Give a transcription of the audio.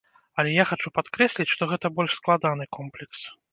Але я хачу падкрэсліць, што гэта больш складаны комплекс.